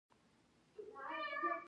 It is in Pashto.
غوا د غنمو او جوارو واښه خوري.